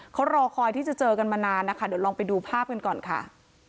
เขารอคอยที่จะเจอกันมานานนะคะเดี๋ยวลองไปดูภาพกันก่อนค่ะ